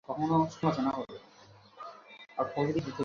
এতো রাতে ফোন করলে যে?